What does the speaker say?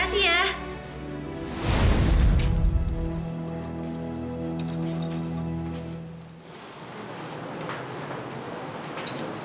lusi beberapa pengalaman